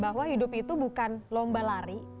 bahwa hidup itu bukan lomba lari